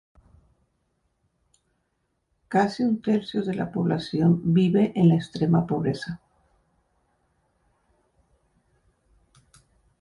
Casi un tercio de la población vive en la extrema pobreza.